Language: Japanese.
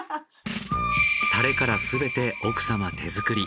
タレからすべて奥様手作り。